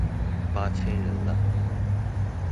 八千人了